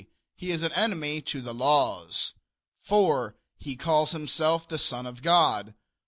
He is an enemy to the laws. 4. He calls himself the son of God.